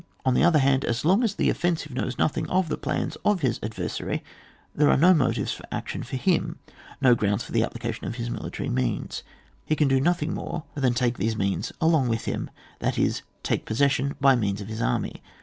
On the other hand, as long as the offensive knows nothing of the plans of his adver sary, there are no motives of action for him, no groimds for the application of his military means. He can do nothing more than take these means along with him, that is, take possession by means of his army.